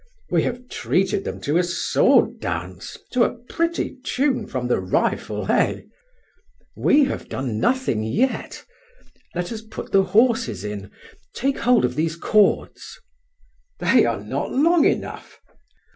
We have treated them to a sword dance to a pretty tune from the rifle, eh?" "We have done nothing yet! Let us put the horses in. Take hold of these cords." "They are not long enough."